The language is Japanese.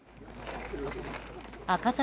赤坂